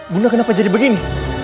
bunda kenapa jadi begini